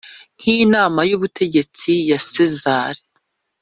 nk inama y ubutegetsi ya sezar